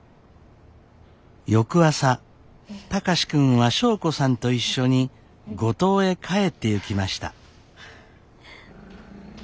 翌朝貴司君は祥子さんと一緒に五島へ帰ってゆきました。